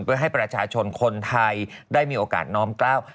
เพื่อให้ประชาชนคนไทยได้มีโอกาสน้อมกล้าว